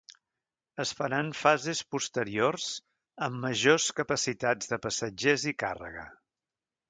Es faran fases posteriors amb majors capacitats de passatgers i càrrega.